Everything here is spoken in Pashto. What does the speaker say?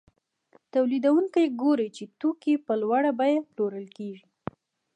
تولیدونکي ګوري چې توکي په لوړه بیه پلورل کېږي